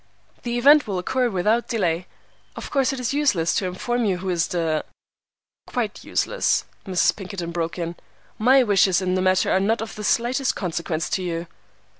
"The event will occur without delay. Of course it is useless to inform you who is the—" "Quite useless," Mrs. Pinkerton broke in; "my wishes in the matter are not of the slightest consequence to you."